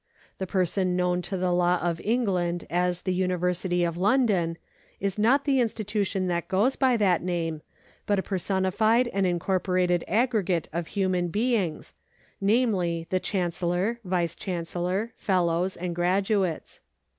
The person known to the law of England as the University of London is not the institution that goes bj' that name, but a personified and incorporated aggregate of human beings, namely the chancellor, vice chancellor, fellows, and graduates.